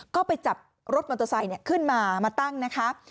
ก็ไปจับรถมอเตอร์ไซค์ขึ้นมามาตั้งนะคะ